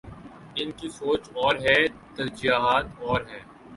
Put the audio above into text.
ان کی سوچ اور ہے، ترجیحات اور ہیں۔